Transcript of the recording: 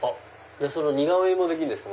似顔絵もできるんですか？